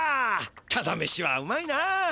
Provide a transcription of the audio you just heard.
タダめしはうまいな。